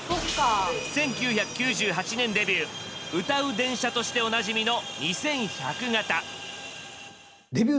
１９９８年デビュー歌う電車としておなじみの２１００形。